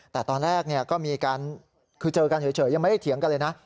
แต่ตอนแรกก็มีการคือเจอกันเฉยยังไม่ได้เถียงกันเลยนะ